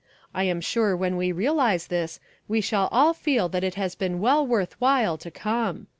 I am sure when we realise this, we shall all feel that it has been well worth while to come.